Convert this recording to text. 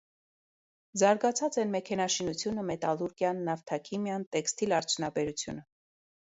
Զարգացած են մեքենաշինությունը, մետալուրգիան, նավթաքիմիան, տեքստիլ արդյունաբերությունը։